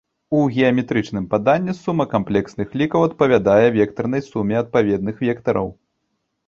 У геаметрычным паданні сума камплексных лікаў адпавядае вектарнай суме адпаведных вектараў.